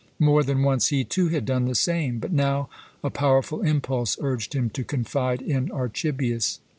More than once he, too, had done the same, but now a powerful impulse urged him to confide in Archibius.